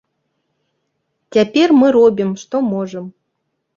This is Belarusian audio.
Цяпер мы робім, што можам.